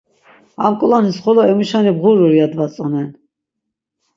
Am k̆ulanis xolo emuşeni bğurur ya dvatzonen.